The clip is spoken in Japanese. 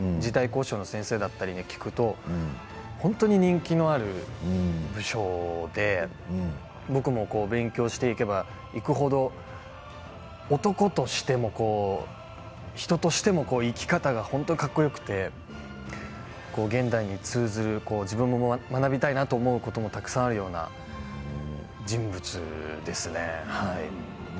考証の先生方に聞くと本当に人気のある武将で僕も勉強していけばいくほど男としても人としても生き方が本当にかっこよくて現代に通じる、自分も学びたいなと思うこともたくさんあるような人物ですね。